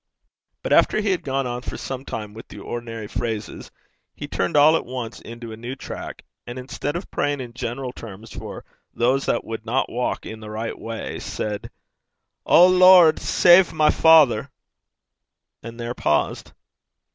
But after he had gone on for some time with the ordinary phrases, he turned all at once into a new track, and instead of praying in general terms for 'those that would not walk in the right way,' said, 'O Lord! save my father,' and there paused.